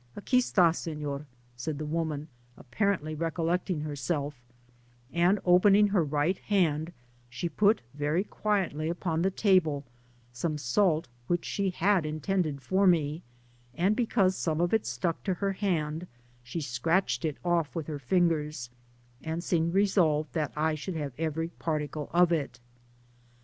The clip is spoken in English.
" Aqui esti, senor/' said the wo man, apparently recollecting herself; and opening her right hand, she put very quietly upon the table some salt which she had intended for me, and be cause some of it stuck to her hand, she scratched it Digitized byGoogk S64 THE PAMPAS off with her fingers, and seemed resolved that I Bhould have every particle of it.